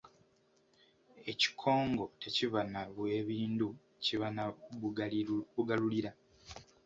Ekikongo tekiba na bwebindu kiba na Bugalulira.